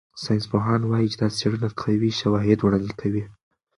ساینسپوهان وايي چې دا څېړنه قوي شواهد وړاندې کوي.